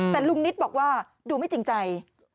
แต่ลุงนิตบอกว่าดูไม่จริงใจ